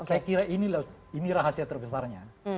saya kira ini lah ini rahasia terbesarnya